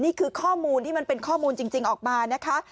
นี่คือข้อมูลที่มันเป็นข้อมูลจริงออกมานะคะ